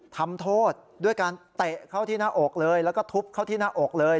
ทำโทษด้วยการเตะเข้าที่หน้าอกเลยแล้วก็ทุบเข้าที่หน้าอกเลย